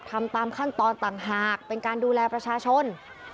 ทำตามขั้นตอนต่างหากเป็นการดูแลประชาชน